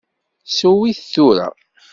Sew-it tura!